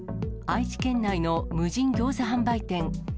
愛知県内の無人ギョーザ販売店。